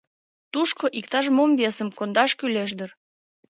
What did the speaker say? Тушко иктаж-мом весым кондаш кӱлеш дыр.